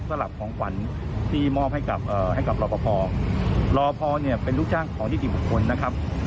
สำหรับของขวัญที่มอบให้กับให้กับรอปภรอพอเนี่ยเป็นลูกจ้างของนิติบุคคลนะครับ